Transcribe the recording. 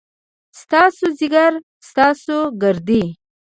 ستاسو ځيګر ، ستاسو ګردې ،